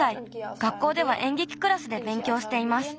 学校ではえんげきクラスでべんきょうしています。